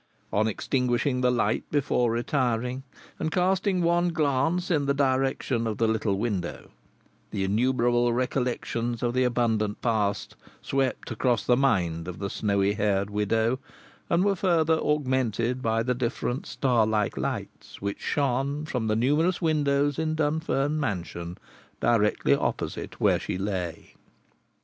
On extinguishing the light before retiring, and casting one glance in the direction of the little window, the innumerable recollections of the abundant past swept across the mind of the snowy haired widow, and were further augmented by the different starlike lights which shone from the numerous windows in Dunfern Mansion, directly opposite where she lay.